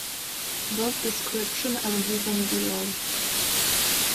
Both description are given below.